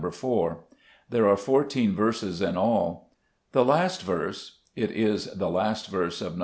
4. There are 14 verses in all. The last verse (it is the last verse of Xo.